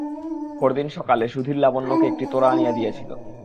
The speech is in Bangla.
পরদিন সকালে সুধীর লাবণ্যকে একটি তোড়া আনিয়া দিয়াছিল।